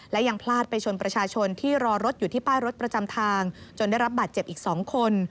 และยังพลาดไปชนประชาชนที่รอรถอยู่ที่ป้ายรถประจำทางจนได้รับบาดเจ็บอีก๒คน